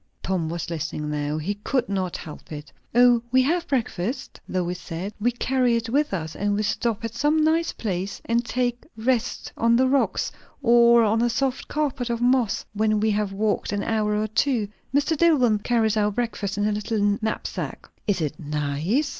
Tom was listening now. He could not help it. "O, we have breakfast," Lois said. "We carry it with us, and we stop at some nice place and take rest on the rocks, or on a soft carpet of moss, when we have walked an hour or two. Mr. Dillwyn carries our breakfast in a little knapsack." "Is it _nice?